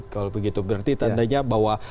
kalau begitu berarti tandanya bahwa